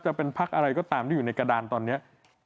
จะเป็นพักอะไรก็ตามที่อยู่ในกระดานตอนนี้